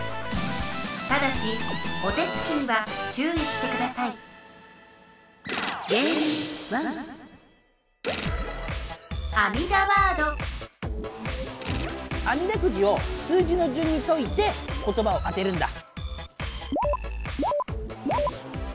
ただしお手つきには注意してくださいあみだくじを数字のじゅんに解いてことばを当てるんだ。